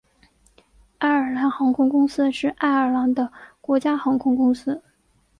爱尔兰航空公司是爱尔兰的国家航空公司。